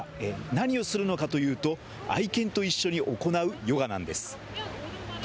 何をするのかというと、愛犬と一緒に行うヨガなんです。